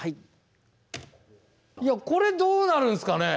いやこれどうなるんすかね。